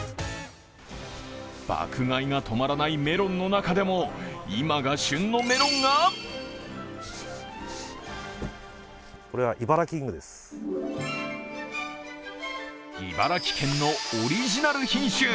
爆買いがとまらないメロンの中でも今が旬のメロンが茨城県のオリジナル品種